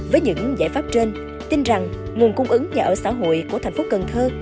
với những giải pháp trên tin rằng nguồn cung ứng nhà ở xã hội của thành phố cần thơ